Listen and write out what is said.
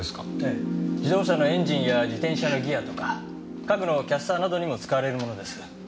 ええ自動車のエンジンや自転車のギアとか家具のキャスターなどにも使われるものです。